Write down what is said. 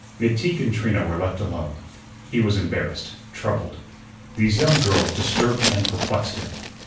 McTeague and Trina were left alone. He was embarrassed, troubled. These young girls disturbed and perplexed him.